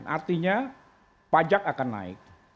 artinya pajak akan naik